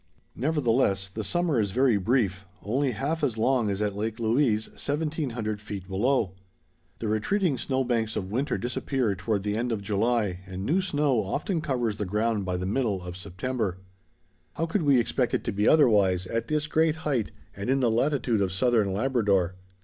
Nevertheless, the summer is very brief—only half as long as at Lake Louise, 1700 feet below. The retreating snow banks of winter disappear toward the end of July and new snow often covers the ground by the middle of September. How could we expect it to be otherwise at this great height and in the latitude of Southern Labrador?